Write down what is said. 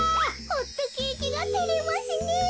ホットケーキがてれますねえ。